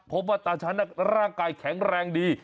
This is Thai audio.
ตาฉันร่างกายแข็งแรงดี